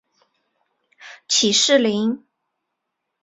起士林。